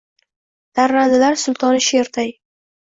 Darrandalar sultoni sherday